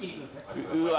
うわ